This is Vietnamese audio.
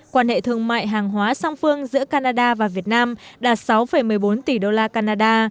quan hệ thương mại hàng hóa song phương giữa canada và việt nam đạt sáu một mươi bốn tỷ đô la canada